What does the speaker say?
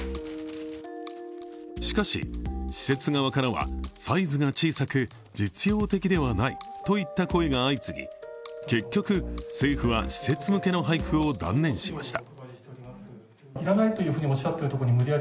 しかし、施設側からはサイズが小さく実用的ではないといった声が相次ぎ結局、政府は施設向けの配布を断念しました。